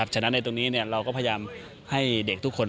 ฉะนั้นในตรงนี้เราก็พยายามให้เด็กทุกคน